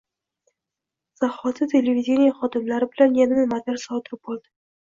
zahoti televideniye xodimlari bilan yana nimadir sodir bo‘ldi